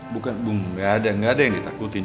bukan bung gak ada yang ditakutin